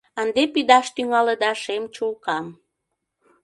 Ынде пидаш тӱҥалыда шем чулкам.